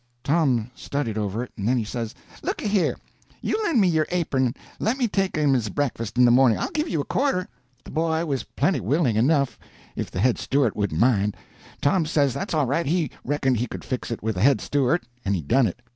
Tom studied over it, and then he says: "Looky here. You lend me your apern and let me take him his breakfast in the morning. I'll give you a quarter." The boy was plenty willing enough, if the head steward wouldn't mind. Tom says that's all right, he reckoned he could fix it with the head steward; and he done it.